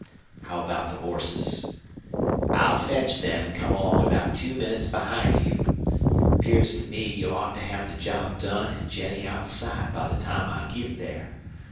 "How about the horses?" "I'll fetch them an' come along about two minnits behind you. 'Pears to me you ought to have the job done an' Jennie outside by the time I git there.